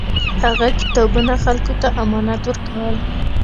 هغه کتابونه خلکو ته امانت ورکول.